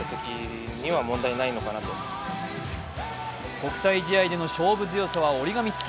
国際試合での勝負強さは折り紙付き。